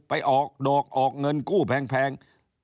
ออกดอกออกเงินกู้แพง